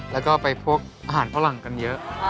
แล้วก็ไปพกอาหารฝรั่งกันเยอะ